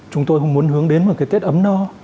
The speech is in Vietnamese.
chúng tôi muốn hướng đến một cái tết ấm no